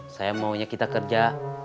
saya maunya kita kerja